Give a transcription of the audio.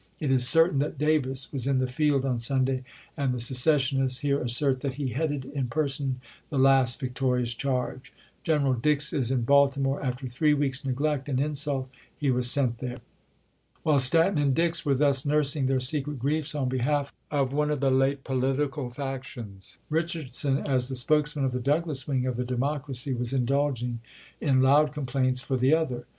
It is certain that Davis was in the field on Sunday, and the secessionists here assert that he headed in person the last victorious charge. General Dix is in Baltimore. After three weeks' neglect and insult he was sent there. While Stanton and Dix were thus nursing their secret griefs on behalf of one of the late political factions, Richardson, as the spokesman of the Douglas wing of the Democracy, was indulging in loud complaints for the other.